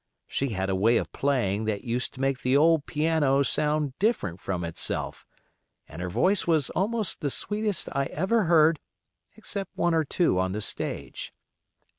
She had a way of playing that used to make the old piano sound different from itself; and her voice was almost the sweetest I ever heard except one or two on the stage.